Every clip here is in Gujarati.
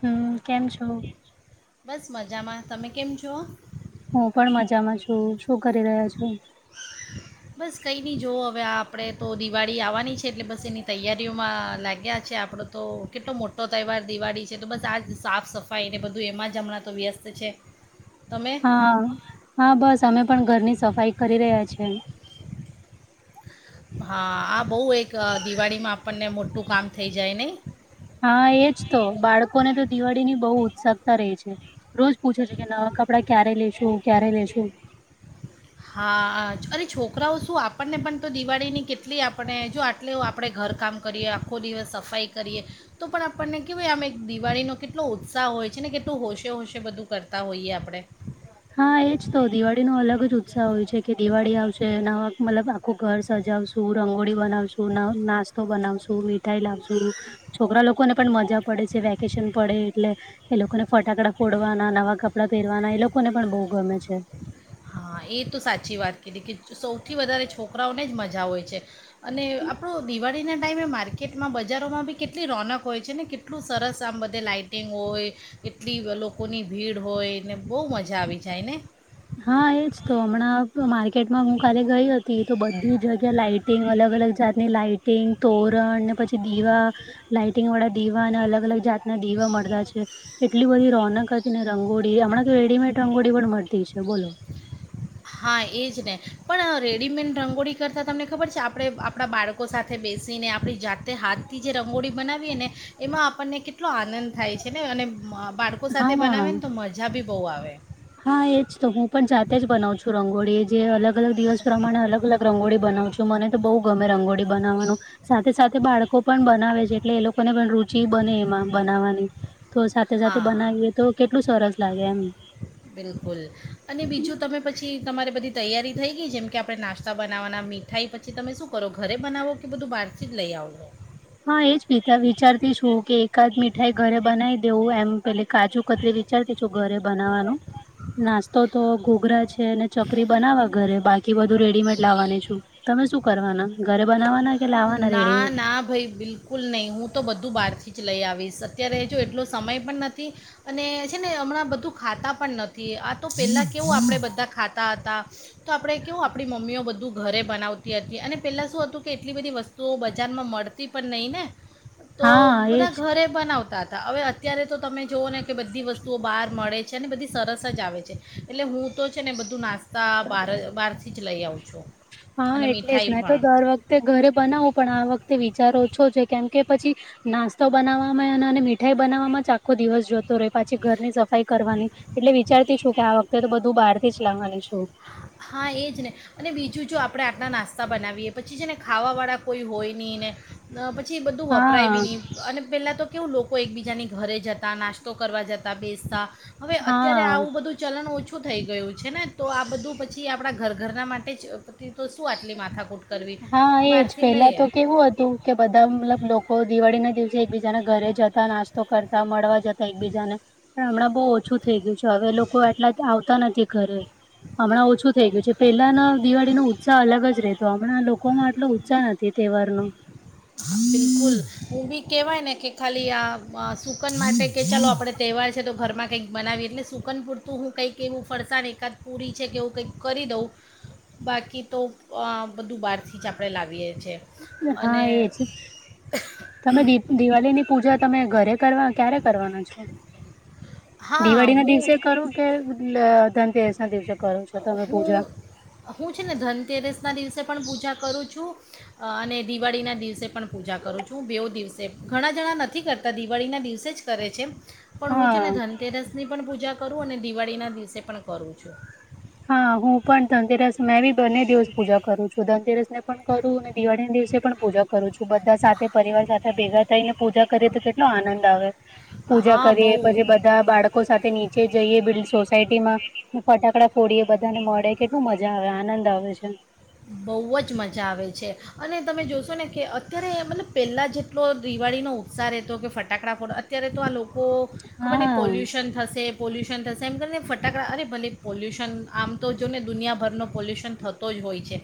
તમે કેમ છો? તમે કેમ છો? હું મજામાં છું, તમે કેમ છો? બસ કંઈ નહીં જોવ, હવે આપણે તો દિવાળી આવવાની છે, એટલે બસ એની તૈયારીઓમાં લાગ્યા છીએ આપણો. તો કેટલો મોટો તહેવાર દિવાળી છે, તો બસ આ સાફ-સફાઈ તો બધું એમાં જ હમણાં તો વ્યસ્ત છે. તમે. હા, હા, બસ અમે પણ ઘરની સફાઈ કરી રહ્યા છીએ. હા, દિવાળીમાં આપણને મોટું કામ થઈ જાય નહીં. હા, એ જ તો, બાળકોને તો દિવાળીની બહુ ઉત્સુકતા રહી છે. રોજ પૂછે છે કે નવા કપડાં ક્યારે લઈશું, ક્યારે લઈશું. હા અરે, છોકરાઓ શું આપણને પણ તો દિવાળીની કેટલી, આપણે જો આટલે આપણે ઘરકામ કરીએ, આખો દિવસ સફાઈ કરીએ. તો પણ આપણને કેવાય, આમ દિવાળીનો કેટલો ઉત્સાહ હોય છે ને, કેટલું હોંશે-હોંશે બધું કરતા હોઈએ આપણે. હા, એ જ તો, દિવાળીનો અલગ જ ઉત્સાહ હોય છે કે દિવાળી આવશે ને, મતલબ આખું ઘર સજાવશે. રંગોળી બનાવીશું, નાસ્તો બનાવીશું, મીઠાઈ લાવીશું. છોકરાઓને પણ મજા પડે છે, વેકેશન પડે એટલે. એ લોકોને ફટાકડા ફોડવાના, નવા કપડાં પહેરવાના, એ લોકોને પણ બહુ ગમે છે. હા, એ તો સાચી વાત કીધી કે, સૌથી વધારે છોકરાઓને જ મજા હોય છે. અને આપણાં દિવાળીના ટાઈમે માર્કેટમાં, બજારોમાં પણ કેટલી રોનક હોય છે ને. એટલું સરસ, આમ બધે લાઇટિંગ હોય. એટલી લોકોની ભીડ હોય ને, બહુ મજા આવી જાય ને. હા, એ જ તો, હમણાં માર્કેટમાં હું કાલે ગઈ હતી તો, બધી જગ્યાએ લાઇટ અલગ-અલગ જાતની લાઇટિંગ, તોરણ ને પછી દીવા. લાઇટિંગવાળા દીવા અને અલગ-અલગ જાત ના, દીવા મળતા છે. એટલી બધી રોનક હતી ને, રંગોળી હમણાં તો રેડીમેડ રંગોળી પણ મળ તી છે બોલો હા, એજ ને પણ રેડીમેડ રંગોળી કરતાં, તમને ખબર છે, આપણે આપણા બાળ લોકો સાથે બેસીને, આપણી જાતે હાથથી જે રંગોળી બનાવીએ ને, એમાં આપણને કે એટલો આનંદ થાય છે ને, અને બાળકો સાથે હા બનાવે ને તો મજા બી બહુ આવે. હા, એ જ તો, હું પણ જાતે જ બનાવું છું રંગોળી જે અલગ અલગ દિવસ પ્રમાણે અલગ અલગ રંગોળી બનાવું છું. તો મને તો બહુ ગમે રંગોળી બનાવવાનું. સાથે સાથે બાળકો પણ બનાવે છે એટલે એ લોકોને પણ રુચિ બને એમાં બનાવવાની. તો સાથે સાથે હા બનાવીએ તો કેટલું સરસ લાગે એમ બિલકુલ, અને બીજું તમે પછી તમારી બધી તૈયારી થઈ ગઈ? જેમ કે આપણે નાસ્તા બનાવવાના મી. મીઠાઈ, પછી તમે શું કરો? ઘરે બનાવો કે બધું બહારથી જ લઈ આવ હો હા, એ જ વિચાર વિચારતી છું કે એકાદ મીઠાઈ ઘરે બનાવી દઉં એમ પેલે કાજુ કતરી વિચારતી છું ઘરે બનાવવાનું. નાસ્તો તો ઘૂઘરા છે, ચકરી બનાવવા ઘરે, બાકી બધું રેડીમેડ લાવવાની છું. તમે શું કરવાના? ઘરે બનાવવાના? કે લાવવાના ના રેડીમેડ ના ભઈ, બિલ કૂલ નહીં, હું તો બધું બહારથી જ લઈ આવીશ. અત્યારે જો એટલો સમય પણ નથી. અને છે ને, હમણાં બધું ખાતા પણ નથી. આ તો પહેલાં કેવું, આપણે બધા ખાતા હતા. તો આપડણે કેવું આપણી મમ્મીઓ બધું ઘરે બનાવતી હતી અને પેલા શું હતું કે એટલી બધી વસ્તુઓ બજારમાં મળતી પણ નહીં ને તો હા બધા એજ ઘરે. બનાવતા હતા હવે અત્યારે તો તમે જુઓ ને કે બધી વસ્તુઓ બહાર મળે છે બધી સરસ જ આવે છે. એટલે હું તો છે ને બધું નાસ તા બહાર બહારથી જ લઈ આવ છું અને મીઠાઈ પણ, તે ઘરે બનાવો પણ આ વખતે વિચાર ઓછો છે કેમ કે પછી? નાસ્તો બનાવવામાં અને મીઠાઈ બનાવમાં જ આખો દિવસ જોતો રહે પાછી ઘરની સફ સફાઈ કરવાની એટલે વિચારતી છું કે આ વખતે તો બધું બહાર થી જ લાવવાની છું. હા એ જ ને. અને બીજું જો આપણે આટલા નાસ્તા બનાવીએ પછી છે ને ખાવાળા કોઈ હોય નહીં ને. અ પછી બધું વપરાય બી હા નહી. અને પહેલાં તો કેવું લોકો એકબીજાની ઘરે જતા નાસ્તો કરવા જતા બેસતા. હવે અત્યારે હા. આવું બધું ઓછું થઈ છે ને તો આ બધું. પછી આપણા ઘર ઘરના માટે જ પછી તો શું આટલી માથાકૂટ કરવી હા એજ બહારથી પેલા તો લઈએ કેવું હતું? કે બધા મતલબ લોકો દિવાળી ના દિવસે એકબીજાના ઘરે જતા નાસ્તો કરતા મળવા જ જતા એકબીજા ને પણ હમણાં બહુ ઓછું થઈ ગયું છે હવે લોકો આ એટલા આવતા નથી ઘરે હમણાં ઓછું થઈ ગયું છે પેલા ના દિવાળી નો ઉત્સાહ અલગ જ રહેતો. તો હમણાં લોકોમાં એટલો ઉત્સાહ નથી તહેવાર નો આપડે કુલ હું બી કેવાય ને કે ખાલી આ સુકન માટે કે ચાલો આપડે તહેવાર છે તો ઘરમાં. કંઈક બનાવી એટલે સુકન પૂરતું હું કંઈક એવું ફરસાણ એકાદ પુરી છે કે એવું કંઈક કરી દઉં બાકી તો આ બધું બહારથી જ આપણે લાવીએ છીએ. હા એજ અને તમે દી દિવાળી ની પૂજા તમે ઘરે કરવા ક્યારે કરવાના છો? હા દિવાળી ના દિવસે હું કરું કે એટલે ધનતેરસ ના દિવસે કરો છો તમે પૂજા. હું હું છે ને ધનતેરસના દિવસે પણ પૂજા કરું છું. અને દિવાળીના દિવસે પણ પૂજા કરું છું, બેવ દિવસે ઘણા જણા નથી કરતા, દિવાળીના દિવસે જ કરે છે. પણ હું છે હા ને, ધનતેરસ ની પણ પૂજા કરું, અને દિવાળીના દિવસે પણ કરું છું. હા, હું પણ ધનતેરસ મેં બી બંને દિવસ પૂજા કરું છું, ધનતેરસ ને પણ. કરું, અને દિવાળીને દિવસે પણ પૂજા કરું છું, બધા સાથે પરિવાર સાથે ભેગા થઈને, પૂજા કરીએ તો કે એલો આનંદ આવે, પૂજા હા કરીએ, બહુ પછી બધા બાળકો લોકો સાથે નીચે જઈ બધા સોસાયટીમાં ફટાકડા થોડીએ બધા ને મળે, કેટલું મજા આવે, આનંદ આવે છે. બહુ જ મજા આવે છે. અને તમે જોશો ને કે, અત્યારે મતલબ પહેલાં જેટલો દિવાળીનો ઉત્સાહ હતો કે, ફટાકડા ફોડ અત્યારે તો આ લોકો ખબર નહી, હા પોલ્યુશન થશે, પોલ્યુશન થશે, એમ કરીને ફટાકડા અરે ભલે પોલ્યુશન, આમ તો જો ને દુનિયાભરનો પોલ્યુશન થત તો જ હોય છે,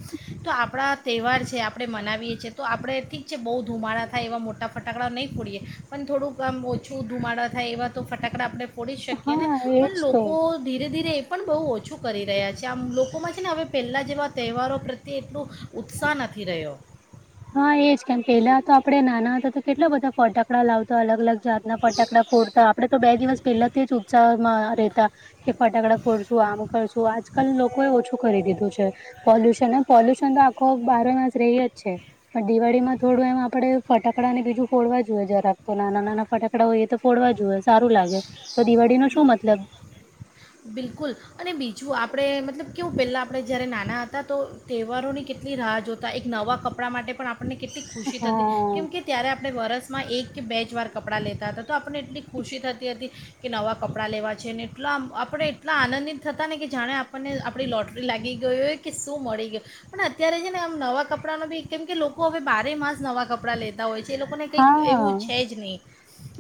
તો આપણા તહેવાર છે, આપણે મનાવીએ છીએ તો, આપણેથી બહુ ધુમાડા થાય, એવા મોટા નહીં. પણ થોડુંક આમ ઓછું ધુમાડા થાય, એવા તો ફટાકડા આપણે ફોડી શકીએ ને, હા એજ પણ તો લોકો ધીરે-ધીરે એ પણ બહુ ઓછું કરી રહ્યા છે, આમ લોકોમાં છે ને, હવે પહેલા જેવા તહેવારો પ્રત્યે એટલો ઉત્સાહ નથી રહ્યો. હા, એજ કેમ પેલા તો આપડે નાના હતા તો, કેટલા બધા ફટાકડા લાવતા અલગ-અલગ. જાતના ફટાકડા ફોડતા આપડે, તો બે દિવસ પહેલાથી જ ઉત્સાહમાં રહેતા. કે ફટાકડા ફોડશું કરશું, આજકાલ લોકો એ ઓછું કરી દીધું છે. પોલ્યુશન પોલ્યુશન તો આખો બારમાં જ રહી જ છે. પણ દિવાળીમાં થોડું એમ આપડે ફટાકડા ને બીજું ફોડવા જોઈએ, જરાક તો નાના-નાના ફટા કડા હોઈ તો, ફોડવા જોએ સારું લાગે, દિવાળી શું મતલબ? બિલકુલ, અને બીજું આપણે મતલબ કેવું પહેલાં આપણે જ્યારે નાના હતા તો. તહેવારોની કેટલી રાહ જોતા, એક નવાં કપડાં માટે પણ આપણને કેટલી ખુશી થતી. હા કેમ કે ત્યારે આપણે વરસમાં એક કે, બે જ વાર કપડાં લેતા હતા તો, આપણને એટલી ખુશી થતી હતી. કે નવા કપડાં લેવા છે ને, એટલામ. આપણે એટલા આનંદિત થતા ને કે, જાણે આપણને આપણી લોટરી લાગી ગઈ હોય કે, શું મળી ગયું. પણ અત્યારે છે ને, આમ નવા કપડામાં બી કેમ કે લોકો હવે બારે માસ નવાં કપડાં લેતા હોય છે, એ લોકોને કંઈક એવું છે જ નહીં.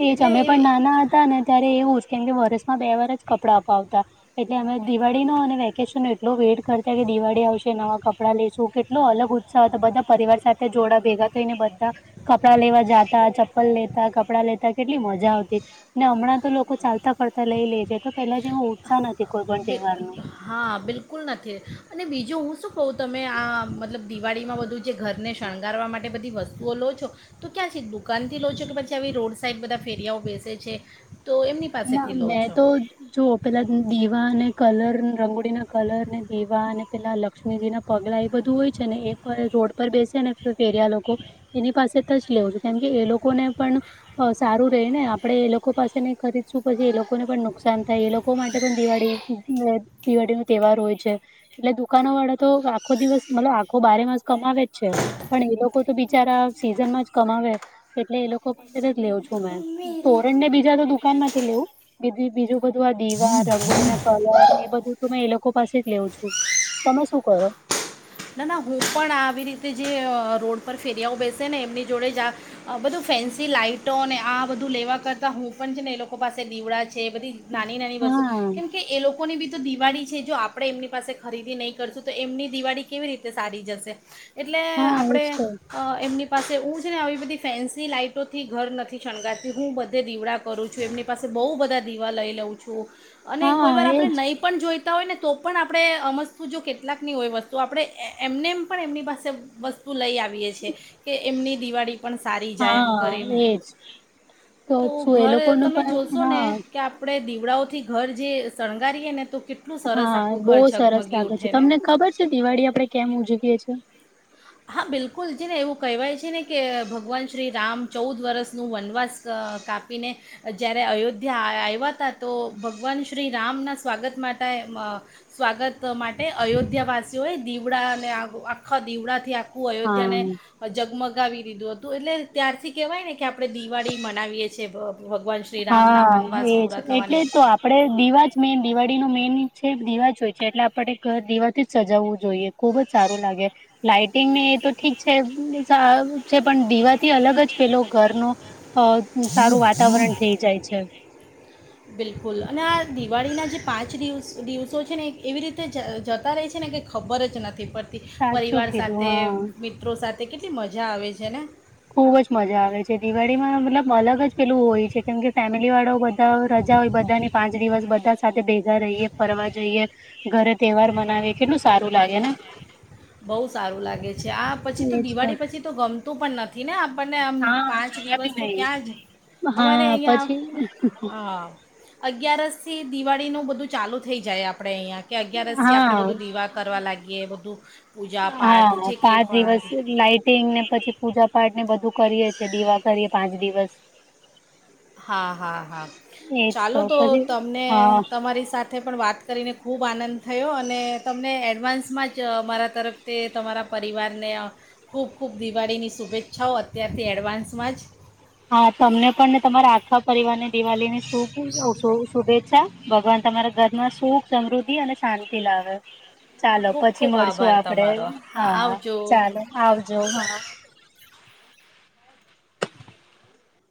એ અમે પણ નાના હતા ને, ત્યારે એવું જ કેમ કે, વર્ષમાં બે વાર જ કપડાં અપાવતા. એટલે અમે દિવાળી નો અને વેકેશન એટલો વેટ કરતા કે, દિવાળી આવશે નવા કપડા લેેશું, કેટલો અલગ ઉ ઉત્સાહ તો બધા પરિવાર સાથે જોડા ભેગા થઈને, બધા કપડા લેવા જાતા, ચપ્પલ લેતા, કપડાં લેતા, કેટલી મજા આવતી ને, હમણાં તો લોકો ચાલ તા ફરતા લઈ લેજ પહેલા જે ઉત્સાહ નથી. કોઈ પણ બે. તહેવારનો હા, બિલકુલ નથી, અને બીજું હું શું કહું, તમે આ મતલબ દિવાળીમાં બધું. જે ઘર ને, શણગારવા માટે બધી વસ્તુઓ લો છો. તો ક્યાં છે, દુકાન થી લોજો કે, પછી આવી રોડ સાઈડ બધા ફેરિયાઓ બેસે છે, તો એમની ના પાસેથી લો મેં છો તો જો પેલા દીવા અને કલર, રંગોળીના કલર ને, દીવા અને પેલા લક્ષ્મીજી ના પગલા એ બધું હોય છે ને, એ પર રોડ પર બેસે ને, ફેરિયા લોકો એની પાસે. ત જ લેઉ છું, કેમ કે એ લોકોને પણ સારું રે ને, આપણે એ લોકો પાસે ન ખરીદશું, પછી એ લોકોને પણ નુકસાન થાય, એ લોકો માટે પણ દિવાળી દિવાળી નો તહેવાર હોય છે, એટલે દુકાનો વાળા તો આખો દિવસ મતલબ આખો બારે માસ. કમાવે જ છે, પણ એ લોકો તો બિચારા સિઝનમાં જ કમાવે. એટલે એ લોકો પાસેથી લઉ છું મે, તોરણ ને બીજા તો દુકાન માંથી લેવું. બી બીજું બધું આ દીવા, રંગોળી ના, કલર ને એ બધું ત મે એ લોકો પાસે જ લેઉં છું તમે શું કરો? ના ના હું પણ આવી રીતે જે રોડ પર ફેરિયાઓ બેસે ને એમની જોડે જ આ. બધું ફેન્સી લાઈટોને આ બધું લેવા કરતા હું પણ ને એ લોકો પાસે લીવડા છે બધી, નાની નાની વસ્તુ હા કેમ, કે એ લોકોની બી તો દિવાળી છે, જો આપણેે એમની પાસે ખરીદી નહી કરશું તો એમની દિવાળી. કેવી રીતે સારી જશે એટલે હા એજ આપણે. તો. એમની પાસે હું છે ને આવી બધી ફેન્સી લાઈઇટોથી ઘર નથી શણગારતી હું બધે દીવડા, કરું છું એમની પાસે બહુ બધા દીવા લઈ લઉં છું. અને કોઈ હા વાર આપણે એજ નહીં પણ જોઈતા હોય ને તો પણ આપણે અમસ્તુ જો કેટલાકની હોય વસ તો આપણે એમને એમ પણ એમની પાસે વસ્તુ લઈ આવીએ છીએ કે એમની દિવાળી, પણ સારી જાય એમ હા કરીને, એજ તો શું એ ઘર લોકોનો તમે પણ જોશો ને, હા કે આપણે દીવડાઓથી ઘર જે શણગારીએ ને તો કેટ હા બહુ સરસ લાગે છે, ને તમને ખબર છે દિવાળી આપડે કેમ ઉજવીએ છીએ. હા બિલકુલ છે ને એવું કહેવાય છે ને કે ભગવાન શ્રી રામ ચૌદ વર્ષનું વનવાસ, ક કાપીને, જ્યારે અયોધ્યા આવ્યા હતા તો ભગવાન શ્રી રામના સ્વાગત માટે અ, સ્વાગત માટે અયોધ્યા વાસીઓ એ દીવડા અને આખા દીવડા, થી આખું અયોધ્યા ને, હા. જગમગાવી દીધું હતું એટલે ત્યારથી કહેવાય ને કે આપણે દિવાળી મનાવીએ છીએ, ભ ભગવાન શ્રી રામના હા વનવાસ એજ પૂરા એટલે થવાની. તો આપડે દીવા જ મેન દિવાળી નુ મેઈન છે દીવા જ હોય છે એટલે આપણે ઘર દીવાથી જ સજાવવું જોઈએ. ખુબ જ સારું લાગે. લાાઈટિંગ ને એ તો ઠીક છે સારું છે પણ દીવાથી અલગ જ પેલો ઘરનો. અ સારું વાતાવરણ થઈ જાય છે. [inaudible] બિલકુલ અને આ દિવાળીના જે પાંચ દિવસ દિવસો છે ને એવી રીતે જત જતા રહે છે ને કે. ખબર જ નથી પડતી સાચું પરિવાર કીધું સાથે હા મિત્રો સાથે કેટલી મજા આવે છે ને. ખુબ જ મજા આવે છે. દિવાળીમાં મતલબ અલગ જ પેલું હોય છે કેમ કે ફેમિલીવાળાઓ બધા રજા હોય બધાની. પાંચ દિવસ બધા સાથે ભેગા રહીએ ફરવા જઈએ. ઘરે તહેવાર મનાવે કેટલું સારું લાગે ને. બઉ સારું લાગે છે આ પછી તો દિવાળી પછી તો ગમ ગમતું પણ નથી ને આપણને આમ હા પાંચ જરા બી દિવસ તો નહી ક્યાં જ અમારે હા અહીંયા. પછી અ અગિયારસ થી દિવાળીનું બધું ચાલુ થઈ જાય આપડે અહિયાં. કે અગિયારસ થી આપણેે હા બધું દીવા કરવા લાગીએ બધું. પૂજા પાઠ હા જે કંઈ પાંચ પણ દિવસ સુધી. લઇટિંગ ને પછી પૂજા પાઠ ને બધું કરીએે છે દીવા કરીએ પાંચ દિવસ. હા હા હા એજ ચાલો તો પછી તમને હા તમારી સા સાથે પણ વાત કરીને ખૂબ આનંદ થયો અને તમને એડવાન્સમાં જ મારા તરફ. તે તમારા પરિવારને ખૂબ ખૂબ દિવાળીની શુભેચ્છાઓ અત્યારથી એડવાન્સમાં જ. હા તમને પણને તમારા આખા પરિવાર ને દિવાળી ની શુ અબ શુભેચ્છા. ભગવાન તમારા ઘરમાં સુખ સમૃદ્ધિ અને શાંતિ લાવે. ચાલો ખૂબ પછી ખૂબ મળશુ આભાર આપડે તમારો હા આવજો ચાલો આવજો હા.